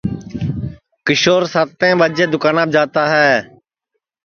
کیشور ساتیں ٻجیں دؔوکاناپ جاتا ہے